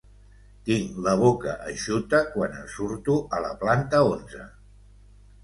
Tinc la boca eixuta quan en surto, a la planta onze.